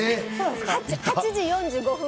８時４５分